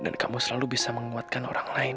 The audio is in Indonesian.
dan kamu selalu bisa menguatkan orang lain